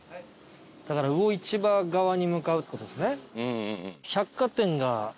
だから魚市場側に向かうって事ですね。